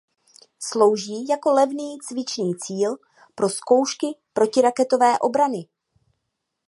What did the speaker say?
Slouží jako levný cvičný cíl pro zkoušky protiraketové obrany.